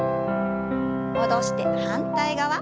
戻して反対側。